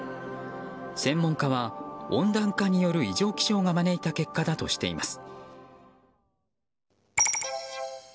専門家は温暖化による異常気象が招いた結果だとしています。